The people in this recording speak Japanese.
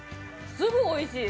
すぐおいしい！